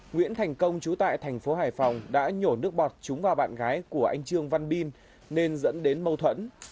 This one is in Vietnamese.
nguyễn thành công trú tại thành phố hải phòng đã nhổ nước bọt chúng vào bạn gái của anh trương văn binh nên dẫn đến mâu thuẫn